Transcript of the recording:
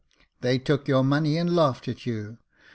"They took your money and laughed at you.